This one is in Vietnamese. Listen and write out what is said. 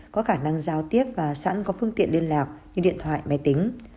có khả năng giao tiếp và sẵn có phương tiện liên lạc như điện thoại máy tính